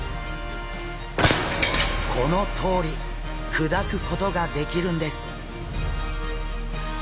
このとおり砕くことができるんです。